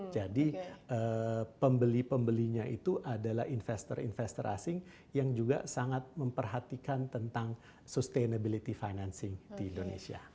jadi pembeli pembelinya itu adalah investor investor asing yang juga sangat memperhatikan tentang sustainability financing di indonesia